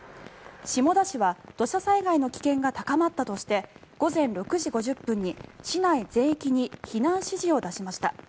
下田市は土砂災害の危険が高まったとして午前６時５０分に市内全域に避難指示を出しました。